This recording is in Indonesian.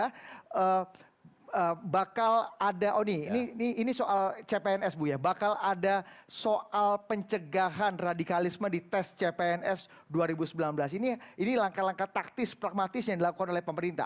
karena bakal ada oh ini soal cpns buya bakal ada soal pencegahan radikalisme di tes cpns dua ribu sembilan belas ini langkah langkah taktis pragmatis yang dilakukan oleh pemerintah